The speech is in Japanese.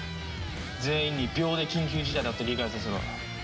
全員に秒で緊急事態だって理解させろ。